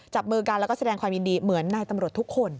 จับมือกันแล้วก็แสดงความยินดีเหมือนนายตำรวจทุกคน